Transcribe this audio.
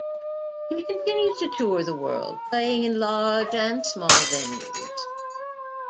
He continues to tour the world playing in large and small venues.